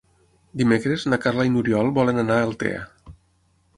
Dimecres na Carla i n'Oriol volen anar a Altea.